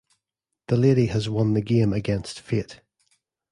The Lady has won the game against Fate.